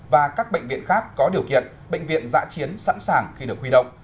và các bệnh viện khác có điều kiện bệnh viện giã chiến sẵn sàng khi được huy động